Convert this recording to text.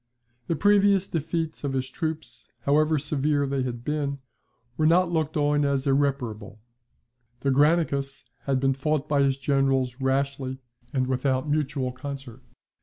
The previous defeats of his troops, however severe they had been, were not looked on as irreparable, The Granicus had been fought by his generals rashly and without mutual concert.